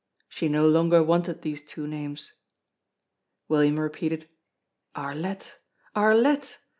She no longer wanted these two names. William repeated: "Arlette! Arlette!